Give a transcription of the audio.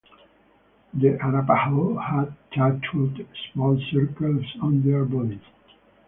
The Arapaho had tattooed small circles on their bodies.